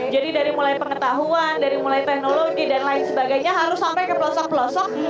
jadi dari mulai pengetahuan dari mulai teknologi dan lain sebagainya harus sampai ke pelosok pelosok